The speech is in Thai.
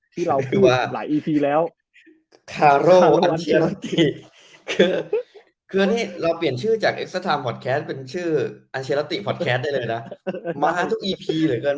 ที่เราพูดหลายแล้วคาโรคือคือนี่เราเปลี่ยนชื่อจากเป็นชื่อได้เลยนะมาทุกหรือเกิน